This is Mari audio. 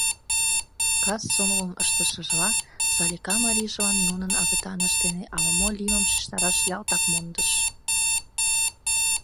Кас сомылым ыштышыжла, Салика марийжылан нунын агытанышт дене ала-мо лиймым шижтараш ялтак мондыш.